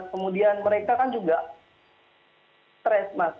kemudian mereka kan juga stres mas